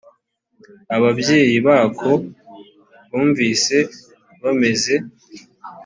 ababyeyi bako bumvise bameze